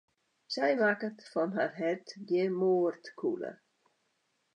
Sy makket fan har hert gjin moardkûle.